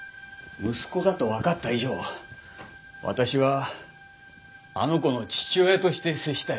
息子だとわかった以上私はあの子の父親として接したい。